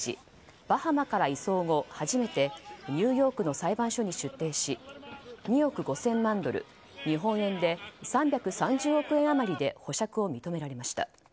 バハマから移送後、初めてニューヨークの裁判所に出廷し２億５０００万ドル日本円で３３０億円余りで保釈を認められました。